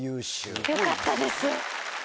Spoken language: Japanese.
よかったです。